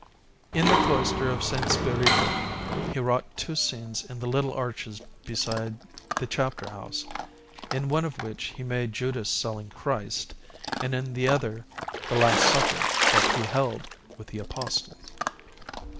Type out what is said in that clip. In the cloister of S. Spirito he wrought two scenes in the little arches beside the Chapter house, in one of which he made Judas selling Christ, and in the other the Last Supper that He held with the Apostles.